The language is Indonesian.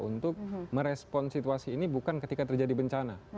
untuk merespon situasi ini bukan ketika terjadi bencana